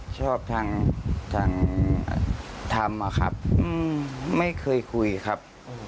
ชอบทางธรรมอะครับไม่เคยคุยครับ